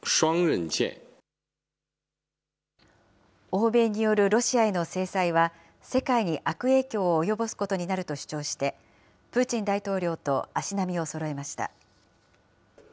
欧米によるロシアへの制裁は、世界に悪影響を及ぼすことになると主張して、プーチン大統領と足並みをそろえました。